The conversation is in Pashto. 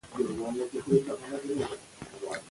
دا وییکې به توپیر ونه مومي.